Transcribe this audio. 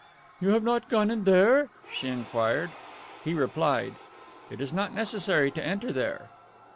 "You have not gone in there?" she inquired. He replied, "It is not necessary to enter there."